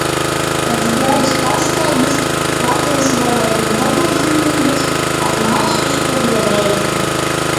Pēc garas pastaigas latviešu valodu un dabaszinības ar māsu izpildīja veikli.